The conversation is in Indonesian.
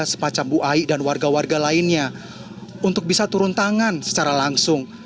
semacam bu ai dan warga warga lainnya untuk bisa turun tangan secara langsung